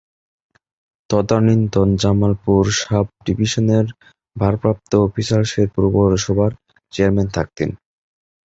তদানীন্তন জামালপুর সাব-ডিভিশনের ভারপ্রাপ্ত অফিসার শেরপুর পৌরসভার চেয়ারম্যান থাকতেন।